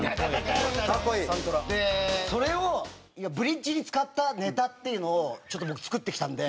それをブリッジに使ったネタっていうのをちょっと僕作ってきたんで。